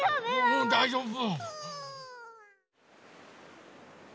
うんだいじょうぶ。